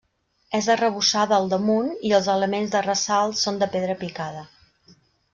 És arrebossada al damunt i els elements de ressalt són de pedra picada.